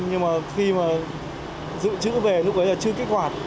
nhưng mà khi mà giữ chữ về lúc ấy là chưa kích hoạt